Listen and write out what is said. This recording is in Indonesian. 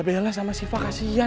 belgia sama siva kasihan